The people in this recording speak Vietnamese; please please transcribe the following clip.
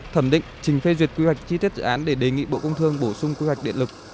thẩm định trình phê duyệt quy hoạch chi tiết dự án để đề nghị bộ công thương bổ sung quy hoạch điện lực